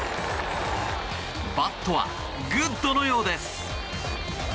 バットはグッドのようです。